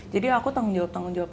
jadi aku tanggung jawab tanggung jawab